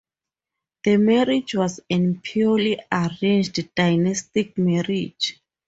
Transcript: The marriage was an purely arranged dynastic marriage.